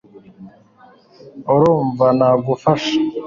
urumva nagufasha